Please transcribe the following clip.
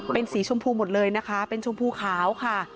เป็นสีชมพูหมดเลยนะคะเป็นชมพูขาวค่ะ